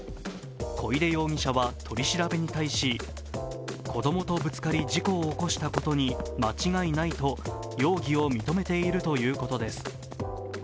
小出容疑者は取り調べに対し子供とぶつかり事故を起こしたことに間違いないと容疑を認めているということです。